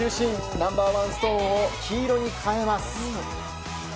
ナンバー１ストーンを黄色に変えます。